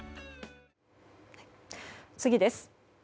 次です。